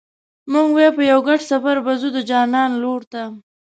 موږ وې په یو ګډ سفر به ځو د جانان لوري ته